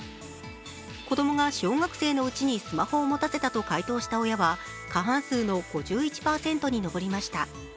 子供が小学生のうちにスマホを持たせたと回答した親は過半数の５１％に上りました。